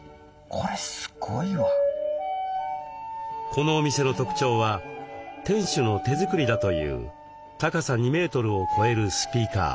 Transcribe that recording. このお店の特徴は店主の手作りだという高さ２メートルを超えるスピーカー。